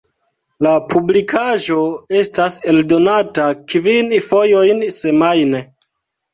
La publikaĵo estas eldonata kvin fojojn semajne.